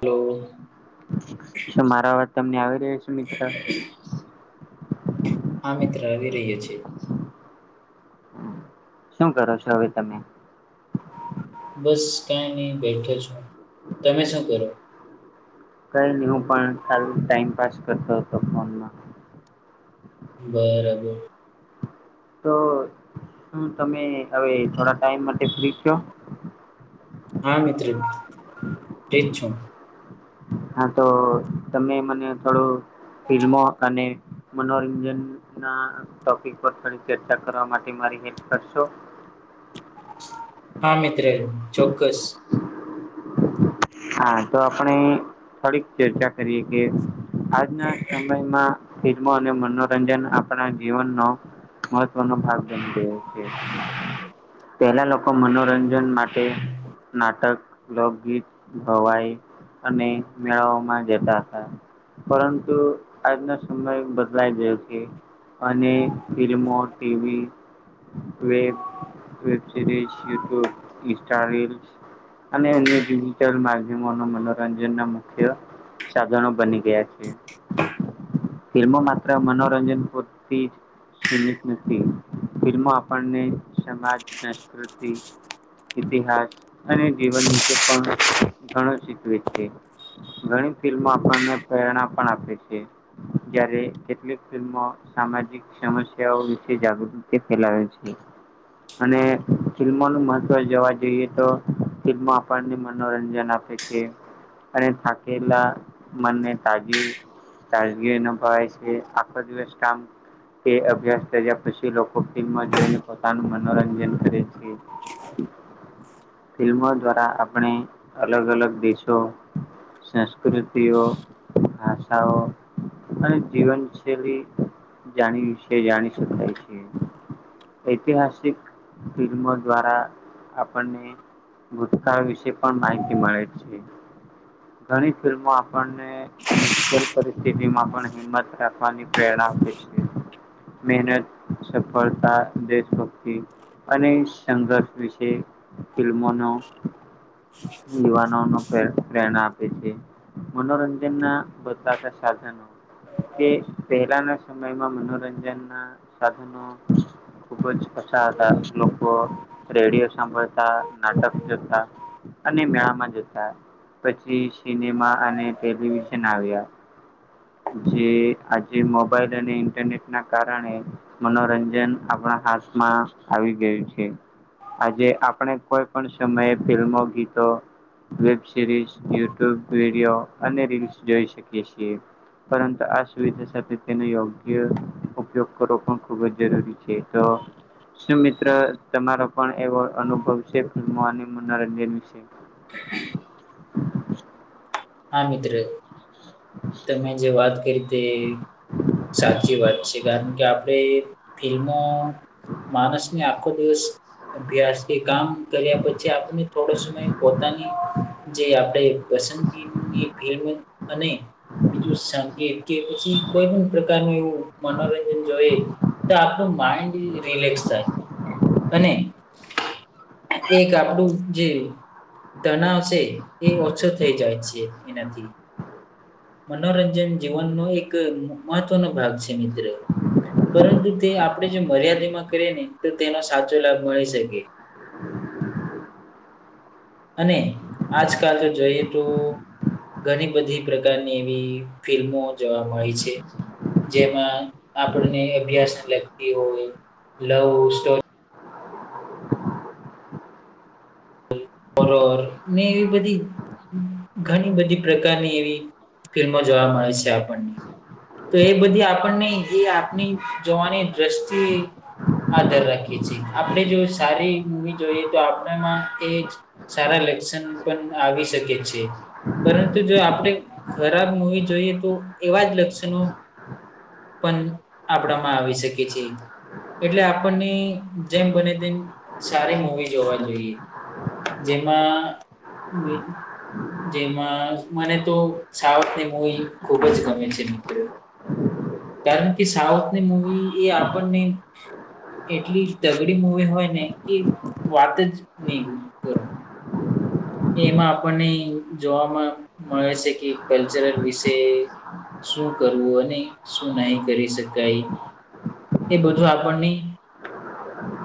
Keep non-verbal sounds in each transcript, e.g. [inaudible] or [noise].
Hello શુ મારો અવાજ તમને આવી રહ્યો છે મિત્ર હમ હા મિત્ર આવી રહીયો છે શું કરો છો હવે તમે બસ કઈ નહી બેઠો છો તમે શું કરો કઈ નહી હું પણ ખ ટાઈમ પાસ કરતો હતો ફોનમાં બરાબર તો શું તમે હવે થોડા ટાઈમ માટે ફ્રી છો હા મિત્ર ફ્રી જ છું હા તો તમે મને થોડું ફિલ્મો અને મનોરંજન ના ટોપિક પર થોડી ચર્ચા કરવા માટે મારી હેલ્પ કરશો હા મિત્ર ચોક્કસ હા તો આપણે થોડીક ચર્ચા કરીએ કે આજના સમયમાં ફિલ્મો અને મનોરંજન આપણા જીવનનો મહત્વનો ભાગ બની ગયો છે પહેલાં લોકો મનોરંજન માટે નાટક લોગ ગીત ભવાઈ અને મેળાઓમાં જતા હતા પરંતુ આજના સમય બદલાઈ ગયો છે અને ફિલ્મો ટીવી વ web series YouTube Insta reels અને અન્ય ડિજિટલ માધ્યમોના મનોરંજન ના મુખ્ય સાધનો બની ગયા છે. ફિલ્મો માત્ર મનોરંજન પૂરતી જ સીમિત નથી ફિલ્મો આપણને સમાજ સંસ્કૃતિ ઇતિહાસ અને જીવન વિશે પણ ઘણો શીખવે છે. ઘણી ફિલ્મો આપણને પ્રેરણા પણ આપે છે જ્યારે કેટલીક ફિલ્મો સામાજિક સમસ્યાઓ વિશે જાગૃતિ ફેલાવે છે. અને ફિલ્મનું મહત્ત્વ જોવા જોઈએ તો ફિલ્મ પણ મનોરંજન આપે છે અને થાકેલા મન ને તાજી તાજગી અનુભવાઈ છે આખો દિવસ કામ એ અભ્યાસ કર્યા પછી લોકો ફિલ્મમાં જોઈને પોતાનું મનોરંજન કરે છે. [inaudible] ફિલ્મો દ્વારા આપણે અલગ અલગ દેશો સંસ્કૃતિઓ ભાષાઓ. અને જીવનશૈલી જાણી છે, જાણી શકાય છે. ઐતિહાસિક ફિલ્મો દ્વારા આપણને [unintelligible] થા વિશે પણ માહિતી મળે છે. ઘણી ફિલ્મો આપણને મુશ્કેલ પરિસ્થિતિ માં પણ હિંમત રાખવાની પ્રેરણા આપે છે. મહેનત, સફળતા, દેશભક્તિ અને સંઘર્ષ વિશે ફિલ્મોનો યુવાનો નો પ્રે પ્રેરણા આપે છે. મનોરંજન ના બદલાતા સાધનો કે પહેલાના સમયમાં મનોરંજનના સાધનો ખૂબ જ કશા હતા. લોકો રેડિયો સાંભળતા, નાટક કરતા અને મેળા માં જતા. પછી સિનેમા અને ટેલિવિઝન આવ્યા. જે આજે મોબાઈલ અને ઇન્ટરનેટ ના કારણે મનોરંજન આપણા હાથમાં આવી ગયું છે. આજે આપણે કોઈ પણ સમયે ફિલ્મો, ગીતો વેબ સિરીઝ, યુટ્યુબ વિડીયો અને રીલ્સ જોઈ શકીએ છીએ. પરંતુ આ સુવિધા સાથે તેનો યોગ્ય ઉપયોગ કરવો પણ ખૂબ જ જરૂરી છે. તો શું મિત્ર તમારો પણ એવો અનુભવ છે ફિલ્મો અને મનોરંજન વિશે? [inaudible] હા મિત્ર. તમે જે વાત કરી તે સાચી વાત છે. કારણ કે આપણે ફિલ્મો માણસની આખો દિવસ અભ્યાસ કે કામ કર્યા પછી આપણને થોડો સમય પોતાની જે આપણેે વસંતની ફિલ્મ અને બીજું કે પછી કોઈ પણ પ્રકારનું એવું મનોરંજન જોઈ. તો આપણું માઇન્ડ રિલેક્સ થાય. અને એક આપણું જે તણવશે એ ઓછો થઈ જાય છે એનાથી. મનોરંજન જીવનનો એક મહત્વનોો ભાગ છે મિત્ર. પરંતુ તે આપણે જો મર્યાદિતમાં કરીએ ને તો તેનો સાચો લાભ મળી શકે. અને આજકાલ તો જોઈએ તો ઘણી બધી પ્રકારની એવી ફિલ્મો જોવા મળી છે. જેમાં આપણને અભ્યાસને લગતી હોય લવ સ પરર ને એવી બધી ઘણી બધી પ્રકારની એવી ફિલ્મો જોવા મળે છે આપણને. તો એ બધી આપણને એ આપની જોવાની દ્રષ્ટિએ આધાર રાખીએ છીએ આપણે જો સારી મવી જોઈએ તો આપણામાં એક સારા લેક્શન પણ આવી શકે છે. પરંતુ જો આપણે ખરાબ મૂવી જોઈએ તો એવા જ લક્ષણો પણ આપડામાં આવી શકે છે. એટલે આપણને જેમ બને તેમ સારી મૂવી જોવા જોઈએ જેમાં જેમાં મને તો સાવ ની મવી ખુબ જ ગમે છે મિત્ર. કારણ કે સાઉથની મૂવી એ આપણને એટલી દગડી મુવી હોયને કે વાત જ નહી કર. એમાં આપણને જોવાવામાં મળે છે કે કલ્ચરલ વિશે. શું કરવું અને શું નહી કરી શકાય એ બધું આપણની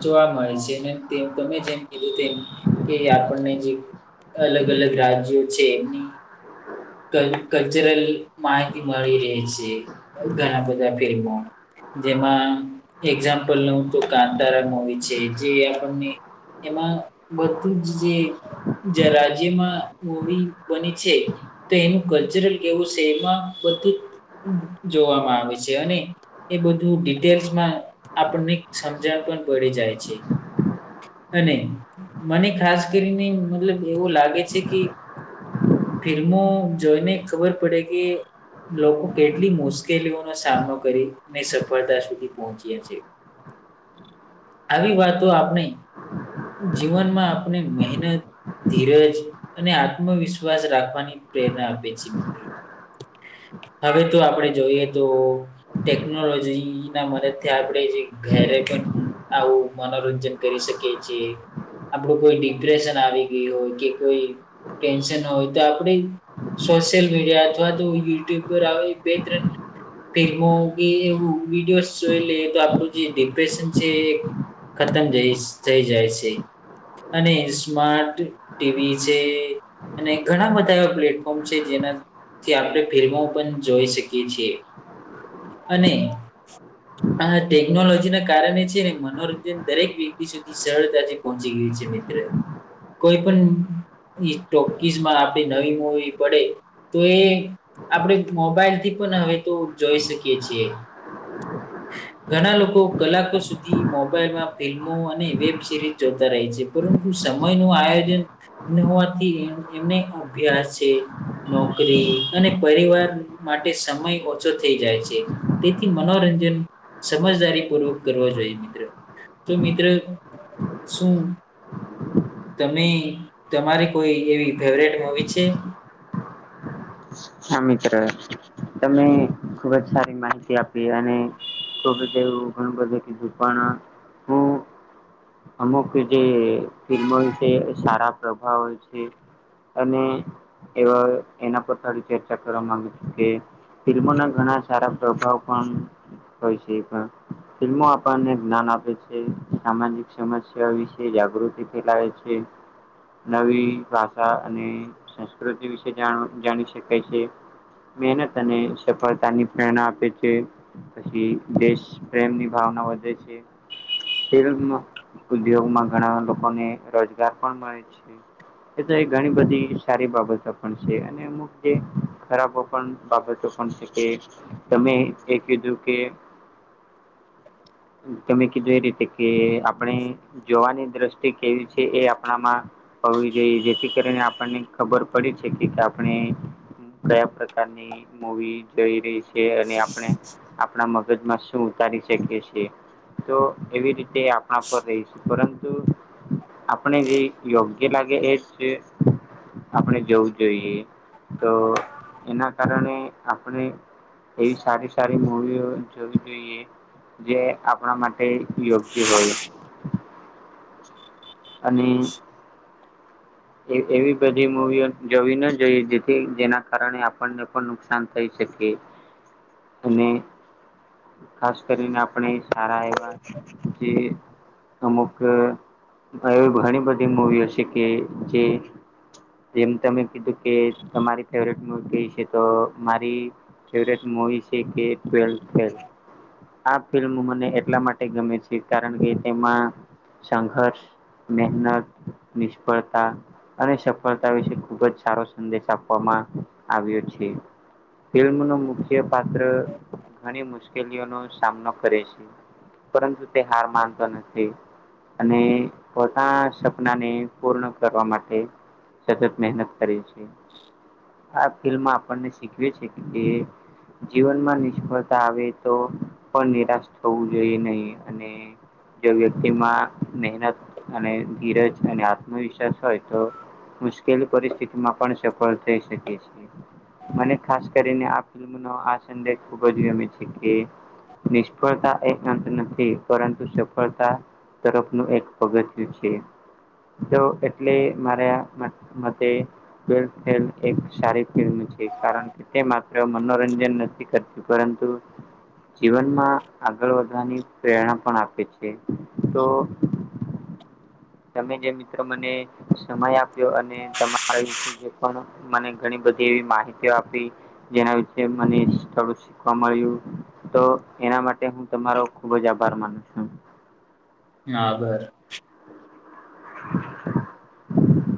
જોવા મળે છે તેમ તમે જેમ કીધું તેમ કે ય આપણને જે અલગ અલગ રાજ્યો છે એમની કલ્ચરલ માહિતી મળી રહી છે ઘણા બધા ફિલ્મો જેમાં એક્ઝામ્પલ લઉં તો કાંતારા મવી છે જે આપણને એમાં બધું જ જે જ રાજ્યમાં મવી બને છે તો એનું કલ્ચરલ કેવું છે એમાં પ જોવામાં આવે છે અને એ બ ડિટેલ્સમાં આપણને સમજણ પણ પડી જાય છે અને મને ખાસ કરીને મતલબ એવું લાગે છે કે ફિલ્મો જોઈને ખબર પડે કે લોકો કેટલી મુશ્કેલીઓનો સામનો કરીને સફળતા સુધી પહોંચી્યા છે હ આવી વાતો આપણે જીવનમાં આપણે મહેનત ધીરજ અને આત્મવિશ્વાસ વિશ્વાસ રાખવાની પ્રેરણા આપે છે મી હવે તો આપણે જોઈએ તો ટેકનોલોજી ના મદદથી આપણેે જે ઘરે પણ આવું મનોરંજન કરી શકીએ છીએ આપણું કોઈ ડિપ્રેશન આવી ગયું હોય કે કોઈ ટેન્શન હોય તો આપ સોશિયલ મીડિયા અથવા તો યુટ્યુબ આવે બે ત્રણ ફિલ્મો એવું વિડીયોસ જોઈ લે તો આપણું જે ડિપ્રેશન છે ખતમ જઈ જઈ જાય છે અને સ્માર્ટ ટીવી છે અને ઘણા બધા એવા પ્લેટફોર્મ છે જેના થી આપણે ફિલ્મો પણ જોઈ શકીએ છીએ અને હમ આ ટેકનોલોજી ના કારણે છે ને મનોરંજન દરેક વ્યક્તિ સુધી સરળતાથી પહોંચી ગયું છે મિત્ર કોઈ પણ ટોકીસ માં આપણી નવી મુૂવી પડે તો એ આપણે મોબાઈલ થી પણ હવે તો જોઈ શકીએ છીએ હ ઘણા લોકો કલાકો સુધી મોબાઈલમાં ફિલ્મો અને વેબ સિરીઝ જોતા રહે છે પરંતુ સમય નું આયોજન નવાથી એમને અભ્યાસ છે નોકરી અને પરિવાર માટે સમય ઓછો થઈ જાય છે તેથી મનોરંજન સમજદારી પૂર્વક કરવો જોઈએ મિત્રો તો મિત્ર શું તમે તમારી કોઈ એવી ફેવરેટ મવી છે હા મિત્ર તમે ખુબ જ સારી માહિતી આપી અને વું ઘણું બધું કીધું હું અમુક જે ફિલ્મો વિશે સારા પ્રભાવ હોય છે. અને એવા એના પર થડી ચ કે ફિલ્મોના ઘણા સારા પ્રભાવ પણ હોય છેી પણ ફિલ્મો આપણને જ્ઞાન આપે છે સામાજિક સમસ્યા વિશે જાગૃતિ ફેલાવે છે. નવી ભાષા અને સંસ્કૃતિ વિશેણ જાણી શકાય છે. મહેનત અને સફળતા ની પ્રેરણા આપે છે. પછી દેશ પ્રેમની ભાવના વધે છે. તે ઉદ્યોગમાં ઘણા લોકોને રોજગાર પણ મળે છે. એ તો એ ઘણી બધી સારી બાબતો પણ છે અને અમુક ખરાબો પણ બાબતો પણ છે કે તમે એ કીધું કે. [inaudible] તમે કીધું એ રીતે કે આપણે જોવાની દ્રષ્ટિ કેવી છે એ આપણામાં હોવી જોઈએ જેથી કરીને આપણને ખબર પડી છે કે આપણે બ પ્રકારની મવી જોઈ રહી છે અને આપણે આપણા મગજમાં શું ઉતારી શકીએ છીએ. તો એવી રીતે આપણા પર રહીશું પરંતુ આપણે જે યોગ્ય લાગે એજ આપણે જવું જોઈએ તો એના કારણે આપણે એવી સારી સારી મૂવીઓ જોવી જોઈએ જે આપણા માટે યોગ્ય હોય અને. એવી બધી મુવીઓ જોવી ન જોઈએી જેના કારણે આપણને પણ નુકસાન થઈ શકે અને. ખાસ કરીને આપણે સારા એવા કે અમુક એવી ઘણી બધી મવીઓ છે કે જે જેમ તમે કીધું કે તમારી ફેવરેટ મવી કઈ છે તો મારી ફવટવી છે કે ટ આ ફિલ્મ મને એટલા માટે ગમે છે કારણ કે તેમાં સંઘર્ષ મહેનત નિષ્ફળતા અને સફળતા વિશે ખુબ જ સારો સંદેશ આપવામાં આવ્યો છે. ફિલ્મ ન મુખ્ય પાત્ર ઘણી મુશ્કેલીઓ નો સામનો કરે છે. પરંતુ તે હાર માનતો નથી અને પોતા સપનાને પૂર્ણ કરવા માટે સતત મહેનત કરીે છે. આ ફિલ્મમાં આપણને શીખવે છે કે તે જીવનમાં નિષ્ફળતા આવે તો પણ નિરાશ થવું જોઈએ નહીં અને જો વ્યક્તિમાં મહેનત અને ધીરજ અને આ વિશ્વાસ હોય તો મુશ્કેલી પરિસ્થિતિ માં પણ સફળ થઈ શકે છેએ. મને ખાસ કરીને આ ફિલ્મનોો આ સંદેશ ખુબ જ ગમે છે કે નિષ્ફળતા એ અંત નથી પરંતુ સફળતા તરફ નું એક પગથ્ય છે. તો એટલે મારા સારી કારણ કે તે માત્ર મનોરંજન નથી કરતી પરંતુ જીવનમાં આગળ વધવાની પ્રેરણા પણ આપે છે તો તમે જે મિત્રો મને સમય આપ્યો અને તમારા જે પણ મને ઘણી બધી એવી માહિતી આપી જેના વિશેે મને થોડું શીખવા મળ્યું. તો એના માટે હું તમારો ખુબ જ આભાર માનું છું. હાબર. [inaudible]